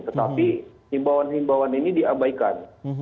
tetapi himbauan himbauan ini diabaikan